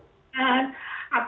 kalau mau keluar nggak berhenti